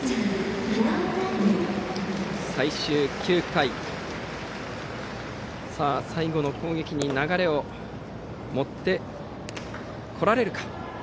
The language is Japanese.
最終の９回、最後の攻撃に流れを持ってこられるか。